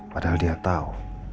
padahal dia tau